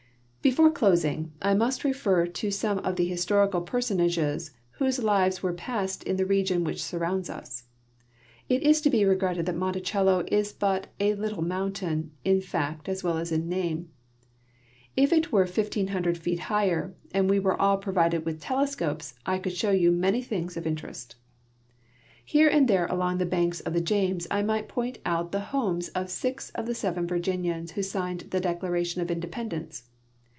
Before closing, I must refer to some of tlie historic personages whose lives were passed in the region which surrounds us. It is to be regretted that Monticello is hut a " little mountain " in fact as well as in name. If it were 1,500 feet higlier and we were all provided with telescopes I could show you many things of interest. Here and there along the banks of the James I might point out the homes of six of the seven Virginians who signed the Declaration of independence.